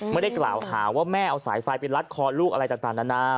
ไม่ได้กล่าวหาว่าแม่เอาสายไฟไปรัดคอลูกอะไรต่างนานา